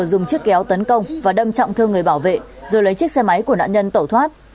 dùng chiếc kéo tấn công và đâm trọng thương người bảo vệ rồi lấy chiếc xe máy của nạn nhân tẩu thoát